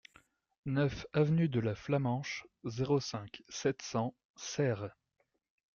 neuf avenue de la Flamenche, zéro cinq, sept cents Serres